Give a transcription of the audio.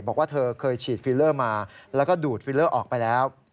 บอกว่าเธอเคยฉีดฟิลเลอร์มาแล้วก็ดูดฟิลเลอร์ออกไปแล้ว